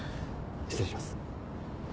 失礼します。